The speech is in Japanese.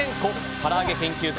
から揚げ研究家